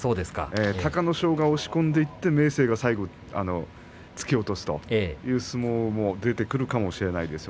隆の勝が押し込んでいって明生が最後、突き落とすそういう相撲も出てくるかもしれません。